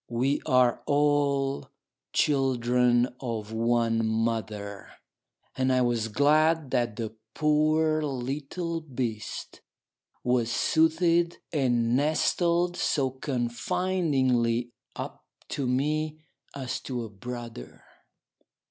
We are all children of one mother, and I was glad that the poor little beast was soothed and nestled so confidingly up to me, as to a brother.